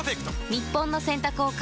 日本の洗濯を変える１本。